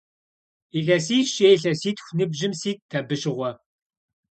Илъэсищ е илъэситху ныбжьым ситт абы щыгъуэ.